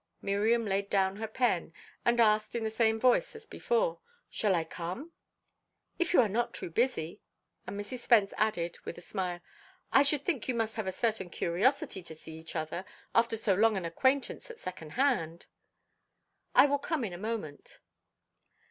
Miriam laid down her pen, and asked in the same voice as before: "Shall I come?" "If you are not too busy." And Mrs. Spence added, with a smile, "I should think you must have a certain curiosity to see each other, after so long an acquaintance at secondhand." "I will come in a moment."